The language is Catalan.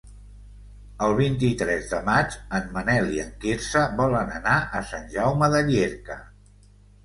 El vint-i-tres de maig en Manel i en Quirze volen anar a Sant Jaume de Llierca.